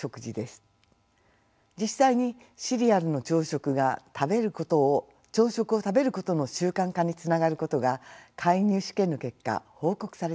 実際にシリアルの朝食が朝食を食べることの習慣化につながることが介入試験の結果報告されています。